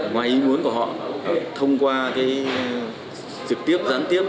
ngoài ý muốn của họ thông qua trực tiếp gián tiếp